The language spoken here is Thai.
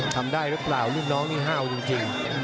ทำได้หรือเปล่าลูกน้องนี่ห้าวจริง